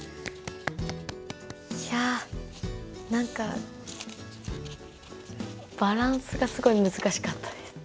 いや何かバランスがすごい難しかったです。